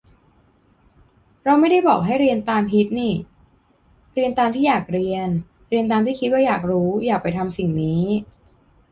เราไม่ได้บอกให้เรียนตามฮิตนิ เรียนตามที่อยากเรียน เรียนตามที่คิดว่าอยากรู้ อยากไปทำสิ่งนี้